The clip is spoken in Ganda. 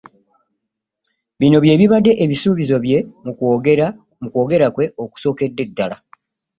Bino by'ebibadde ebisuubizo bye mu kwogera kwe okusookedde ddala